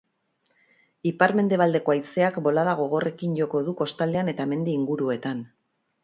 Ipar-mendebaldeko haizeak bolada gogorrekin joko du kostaldean eta mendi inguruetan.